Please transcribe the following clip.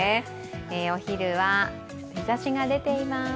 お昼は、日ざしが出ています。